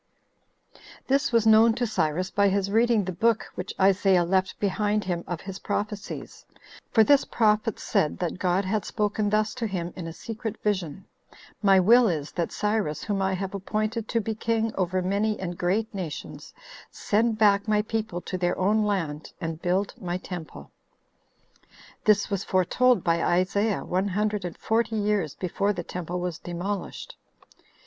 2. This was known to Cyrus by his reading the book which Isaiah left behind him of his prophecies; for this prophet said that God had spoken thus to him in a secret vision: "My will is, that Cyrus, whom I have appointed to be king over many and great nations, send back my people to their own land, and build my temple." This was foretold by Isaiah one hundred and forty years before the temple was demolished.